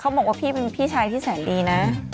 บอกว่าพี่เป็นพี่ชายที่แสนดีนะ